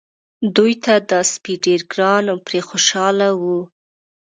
دوی ته دا سپی ډېر ګران و پرې خوشاله وو.